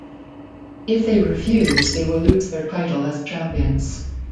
If they refuse, they will lose their title as champions.